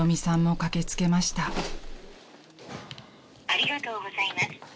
ありがとうございます。